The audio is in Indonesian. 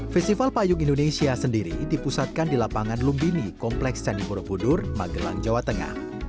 festival payung indonesia sendiri dipusatkan di lapangan lumbini kompleks candi borobudur magelang jawa tengah